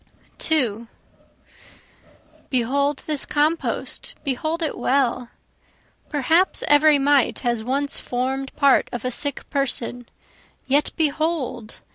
2 Behold this compost! behold it well! Perhaps every mite has once form'd part of a sick person yet behold!